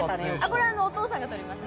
これはお父さんが撮りました。